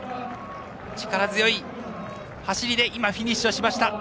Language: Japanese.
力強い走りでフィニッシュしました。